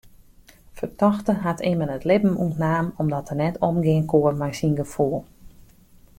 Fertochte hat immen it libben ûntnaam omdat er net omgean koe mei syn gefoel.